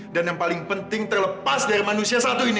dan yang paling penting terlepas dari manusia satu ini